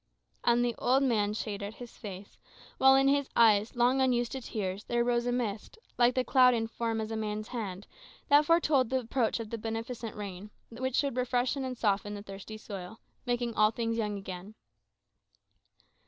And the old man shaded his face, while in his eyes, long unused to tears, there rose a mist, like the cloud in form as a man's hand, that foretold the approach of the beneficent rain, which should refresh and soften the thirsty soil, making all things young again.